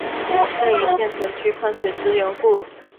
盖以县城居汾水之阳故。